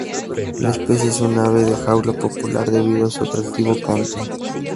La especie es un ave de jaula popular debido a su atractivo canto.